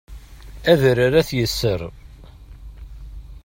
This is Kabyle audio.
Adrar ad t-yeṣṣer.